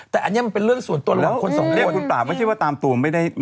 แต่อันนี้มันเป็นเรื่องส่วนตัวระหว่างคนสองคนนะครับที่แล้วโอรกษ์แล้วที่คุณปากไม่ที่ว่าตามตัวไม่ได้นะ